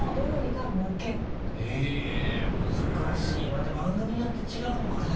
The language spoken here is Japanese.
また番組によって違うのかね？